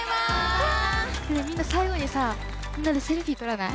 みんな最後にさみんなでセルフィー撮らない？